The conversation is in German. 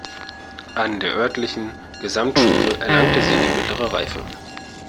An der örtlichen Gesamtschule erlangte sie die mittlere Reife.